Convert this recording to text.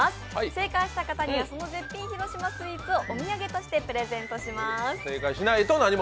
正解した方にはその絶品広島スイーツをお土産としてプレゼントします。